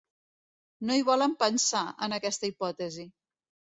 No hi volen pensar, en aquesta hipòtesi.